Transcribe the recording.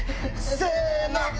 せの！